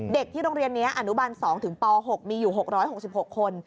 เด็กที่โรงเรียนนี้อนุบัน๒ถึงป๖มีอยู่๖๖คน